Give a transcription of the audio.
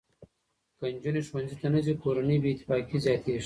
که نجونې ښوونځي ته نه ځي، کورني بې اتفاقي زیاتېږي.